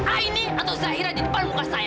aini atau zahira di depan muka saya